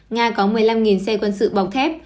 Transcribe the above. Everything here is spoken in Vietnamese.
nga có một mươi năm xe quân sự bọc thép